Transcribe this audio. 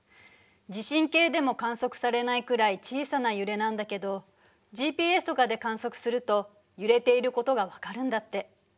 地震計でも観測されないくらい小さな揺れなんだけどＧＰＳとかで観測すると揺れていることが分かるんだって。